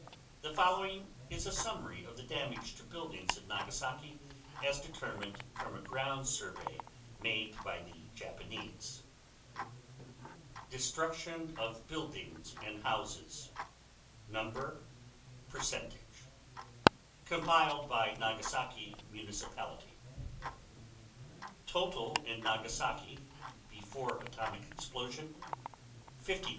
The following is a summary of the damage to buildings in Nagasaki as determined from a ground survey made by the Japanese: Destruction of Buildings and Houses Number Percentage (Compiled by Nagasaki Municipality) Total in Nagasaki (before atomic explosion) 50,000 100.